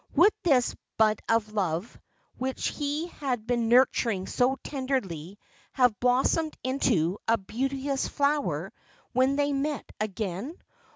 Would "this bud of love" which he had been nurturing so tenderly, have blossomed into "a beauteous flower" when they met again?